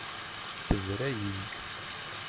Tebra-yi.